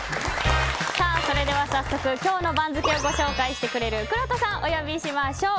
それでは早速今日の番付をご紹介してくれるくろうとさんをお呼びしましょう。